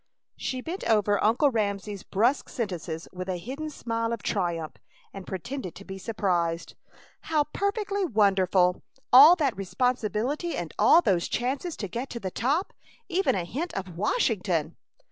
She bent over Uncle Ramsey's brusque sentences with a hidden smile of triumph and pretended to be surprised. "How perfectly wonderful! All that responsibility and all those chances to get to the top! Even a hint of Washington!"